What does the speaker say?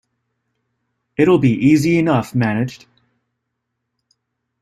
It’ll be easy enough managed.